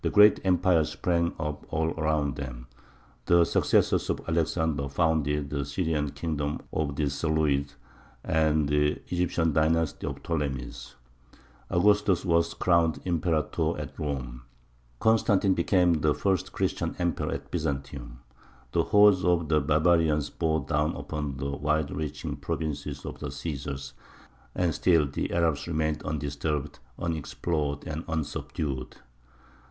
Great empires sprang up all around them; the successors of Alexander founded the Syrian kingdom of the Seleucids and the Egyptian dynasty of the Ptolemies; Augustus was crowned Imperator at Rome; Constantine became the first Christian emperor at Byzantium; the hordes of the barbarians bore down upon the wide reaching provinces of the Cæsars and still the Arabs remained undisturbed, unexplored, and unsubdued.